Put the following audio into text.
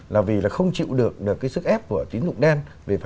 là vì là không chịu được được cái sức ép của tín dụng đen